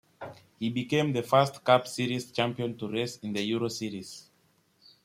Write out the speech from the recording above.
He became the first Cup Series champion to race in the Euro Series.